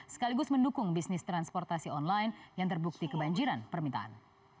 sekaligus mendukung bisnis transportasi online yang terbukti kebanjiran permintaan